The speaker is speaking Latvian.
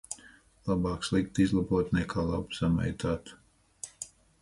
Labāk sliktu izlabot nekā labu samaitāt.